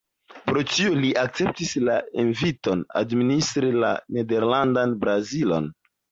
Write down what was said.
Pro tio, li akceptis la inviton administri la Nederlandan Brazilon.